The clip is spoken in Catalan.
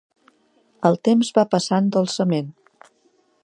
El temps va passant dolçament.